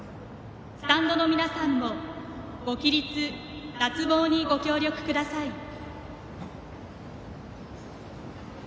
スタンドの皆さんもご起立、脱帽にご協力ください。